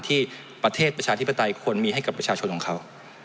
ที่ประเทศประชาธิปไตยควรมีให้กับประชาชนของเขา